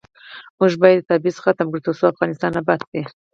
موږ باید تبعیض ختم کړو ، ترڅو افغانستان اباد شي.